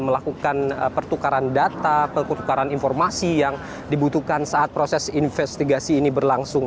melakukan pertukaran data perkutukaran informasi yang dibutuhkan saat proses investigasi ini berlangsung